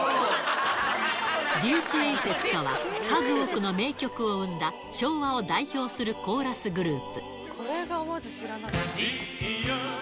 デューク・エイセスとは、数多くの名曲を生んだ、昭和を代表するコーラスグループ。